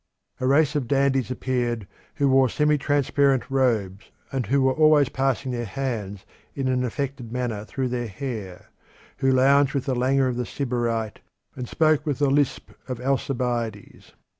A race of dandies appeared who wore semi transparent robes, and who were always passing their hands in an affected manner through their hair who lounged with the languor of the Sybarite, and spoke with the lisp of Alcibiades.